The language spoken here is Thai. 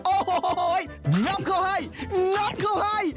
โอ้โหงับเขาให้งับเขาให้